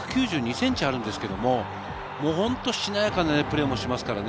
１９２ｃｍあるんですけれど、本当にしなやかなプレーをします。